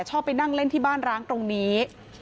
ไปนั่งเล่นที่บ้านร้างตรงนี้